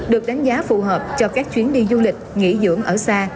được đánh giá phù hợp cho các chuyến đi du lịch nghỉ dưỡng ở xa